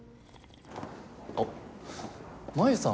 あっ真夢さん